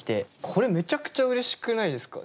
これめちゃくちゃうれしくないですか？